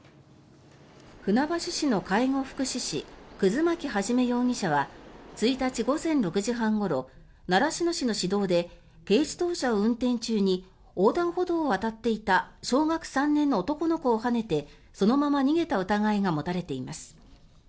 船橋市の介護福祉士葛巻一容疑者は１日午前６時半ごろ習志野市の市道で軽自動車を運転中に横断歩道を渡っていた小学３年の男の子をはねてそのまま逃げた疑いが持たれています。